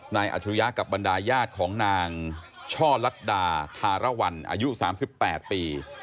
นายอาชุยะกับบรรดายญาติของนางช่อลัดดาทารวัลอายุ๓๘ปี